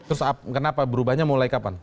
terus kenapa berubahnya mulai kapan